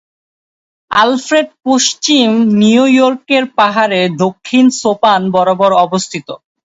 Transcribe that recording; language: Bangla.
অ্যালফ্রেড পশ্চিম নিউ ইয়র্কের পাহাড়ে দক্ষিণ সোপান বরাবর অবস্থিত।